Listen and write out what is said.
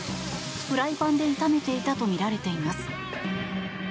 フライパンで炒めていたとみられています。